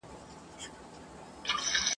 وي مي له سهاره تر ماښامه په خدمت کي ..